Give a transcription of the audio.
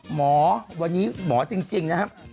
หมอวันนี้หมอจริงนะครับ